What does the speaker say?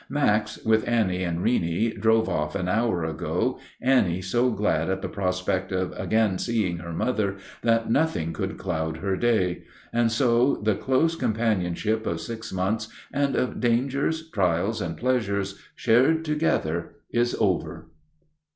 Max, with Annie and Reeney, drove off an hour ago, Annie so glad at the prospect of again seeing her mother that nothing could cloud her day. And so the close companionship of six months, and of dangers, trials, and pleasures shared together, is over.